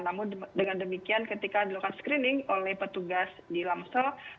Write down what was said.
namun dengan demikian ketika dilakukan screening oleh petugas di lamsel